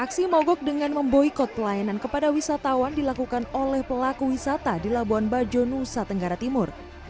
aksi mogok dengan memboykot pelayanan kepada wisatawan dilakukan oleh pelaku wisata di labuan bajo nusa tenggara timur